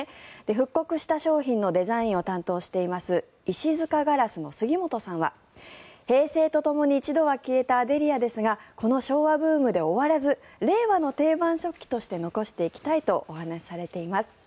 復刻した商品のデザインを担当している石塚硝子の杉本さんは平成とともに一度は消えたアデリアですがこの昭和ブームで終わらず令和の定番食器として残していきたいとお話しされています。